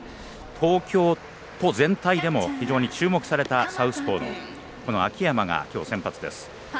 東京都全体でも非常に注目されたサウスポーの秋山がきょう先発です。